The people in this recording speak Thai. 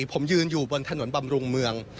ผมยืนอยู่บนถนนบำรุงเมือง